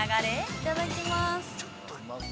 ◆いただきます。